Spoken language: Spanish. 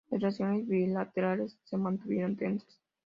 Las relaciones bilaterales se mantuvieron tensas.